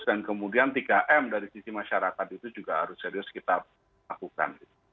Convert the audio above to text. dan kemudian tiga m dari sisi masyarakat itu juga harus serius kita lakukan